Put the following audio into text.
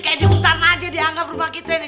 kayak di hutan aja dianggap rumah kita ini